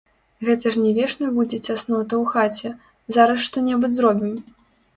Гэта ж не вечна будзе цяснота ў хаце, зараз што-небудзь зробім.